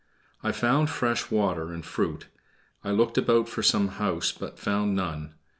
I found fresh water and fruit. I looked about for some house, but found none.